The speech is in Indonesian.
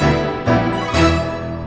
tunggu aku mau ke toilet